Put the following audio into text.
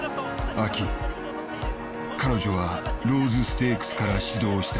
秋彼女はローズステークスから始動した。